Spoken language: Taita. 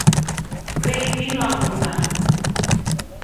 W'eiw'ilwa mbuw'a .